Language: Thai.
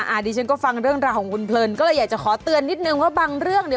อันนี้ฉันก็ฟังเรื่องราวของคุณเพลินก็เลยอยากจะขอเตือนนิดนึงว่าบางเรื่องเนี่ย